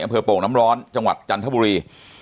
โป่งน้ำร้อนจังหวัดจันทบุรี